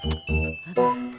sampai jumpa lagi